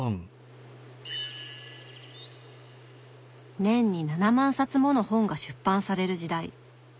年に７万冊もの本が出版される時代。